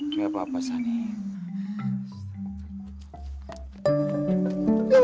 tidak apa apa salim